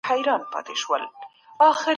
هلمند د هر پښتون د ايمان او غیرت نښه ده.